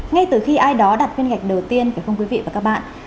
ngay từ khi ai đó đặt khuyên ngạch đầu tiên phải không quý vị và các bạn